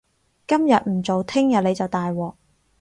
今日唔做，聽日你就大鑊